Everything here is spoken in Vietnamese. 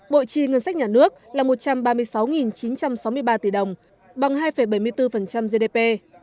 bộ chi ngân sách nhà nước là một trăm ba mươi sáu chín trăm sáu mươi ba tỷ đồng bằng hai bảy mươi bốn gdp